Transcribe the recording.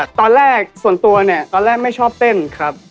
ตอนแรกส่วนตัวเนี่ยตอนแรกไม่ชอบเต้นครับ